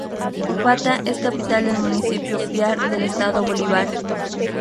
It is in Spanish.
Upata es capital del Municipio Piar del estado Bolívar.